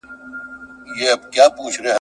که ته غواړي چي د نورو عیب عیان کړې